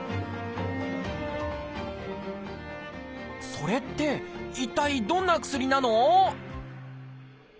それって一体どんな薬なの？